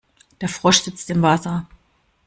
Der Frosch sitzt im Wasser.